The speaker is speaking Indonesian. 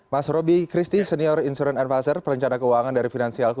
mas robby christie senior insurance advisor perencana keuangan dari finansialku